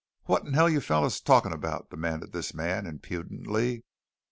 "What 'n hell you fellows talking about?" demanded this man impudently.